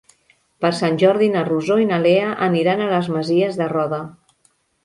Per Sant Jordi na Rosó i na Lea aniran a les Masies de Roda.